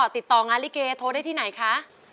ติดต่องานลิเกโทรได้ที่ไหนคะ